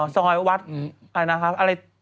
ซอยวัดอะไรนะครับ